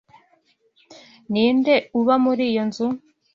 Ninde uba muri iyo nzu? (